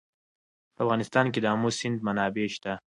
په افغانستان کې د آمو سیند منابع شته.